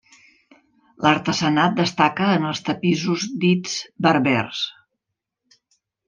L'artesanat destaca en els tapissos dits berbers.